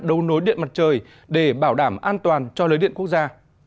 đấu nối điện mặt trời để bảo đảm an toàn cho lưới điện quốc gia